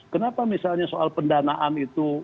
kenapa misalnya soal pendanaan itu